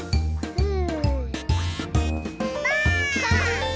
うん？